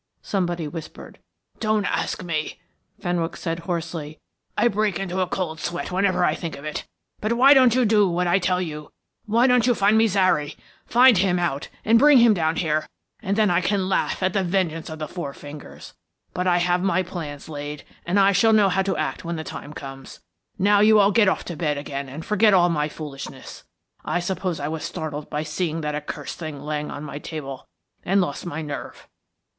somebody whispered. "Don't ask me," Fenwick said hoarsely. "I break into a cold sweat whenever I think of it. But why don't you do what I tell you? Why don't you find Zary? Find him out and bring him down here, and then I can laugh at the vengeance of the Four Fingers. But I have my plans laid, and I shall know how to act when the times comes. Now you all get off to bed again and forget all my foolishness. I suppose I was startled by seeing that accursed thing lying on my table, and lost my nerve."